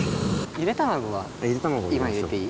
ゆで卵は今入れていい？